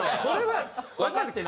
わかってない。